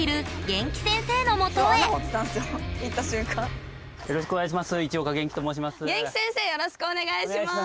元気先生よろしくお願いします！